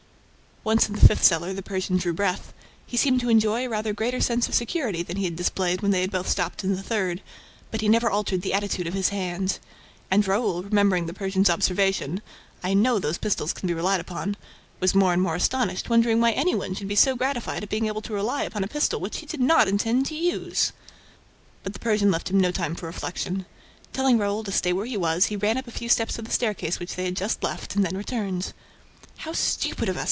Once in the fifth cellar, the Persian drew breath. He seemed to enjoy a rather greater sense of security than he had displayed when they both stopped in the third; but he never altered the attitude of his hand. And Raoul, remembering the Persian's observation "I know these pistols can be relied upon" was more and more astonished, wondering why any one should be so gratified at being able to rely upon a pistol which he did not intend to use! But the Persian left him no time for reflection. Telling Raoul to stay where he was, he ran up a few steps of the staircase which they had just left and then returned. "How stupid of us!"